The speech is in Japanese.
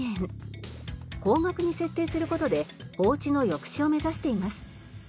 高額に設定する事で放置の抑止を目指しています。